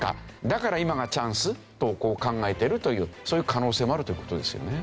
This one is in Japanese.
だから今がチャンスと考えてるというそういう可能性もあるという事ですよね。